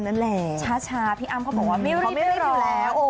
พี่อำนั้นแหละช้าช้าพี่อำเขาบอกว่าไม่รีบอยู่แล้ว